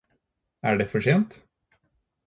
Er det for sent?